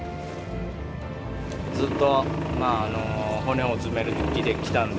ずっと骨をうずめる気で来たんで。